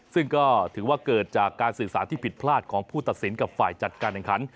ซึ่งก็ถือว่าเกิดจากการสื่อสารที่ผิดพลาดของผู้ตัดสินกับฝ่ายจัดการแข่งขัน